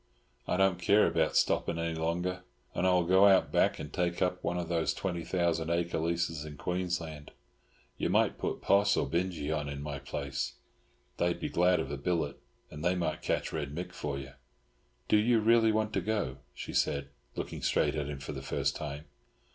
I don't care about stopping any longer; and I will go out back and take up one of those twenty thousand acre leases in Queensland. You might put Poss or Binjie on in my place. They would be glad of a billet, and they might catch Red Mick for you." "Do you really want to go?" she said, looking straight at him for the first time.